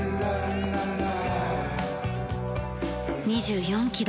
２４キロ